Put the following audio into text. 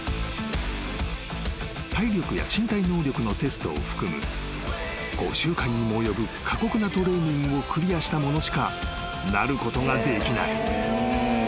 ［体力や身体能力のテストを含む５週間にも及ぶ過酷なトレーニングをクリアした者しかなることができない］